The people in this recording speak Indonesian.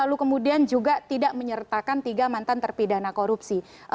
dan lalu kemudian juga tidak menyertakan tiga mantan terpidana korupsi